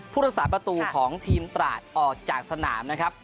พุทธศาสตร์ประตูของทีมตราดออกจากสนามนะครับ